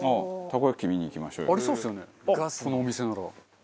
このお店なら。